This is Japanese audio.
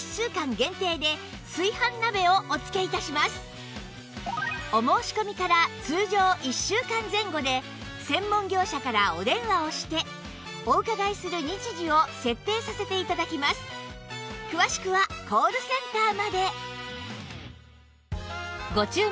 さらにお申し込みから通常１週間前後で専門業者からお電話をしてお伺いする日時を設定させて頂きます詳しくはコールセンターまで